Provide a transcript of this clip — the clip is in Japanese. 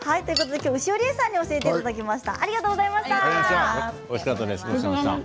今日は牛尾理恵さんに教えていただきました。